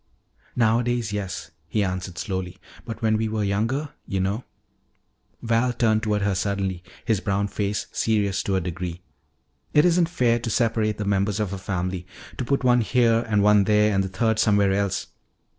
"Nowadays, yes," he answered slowly. "But when we were younger You know," Val turned toward her suddenly, his brown face serious to a degree, "it isn't fair to separate the members of a family. To put one here and one there and the third somewhere else.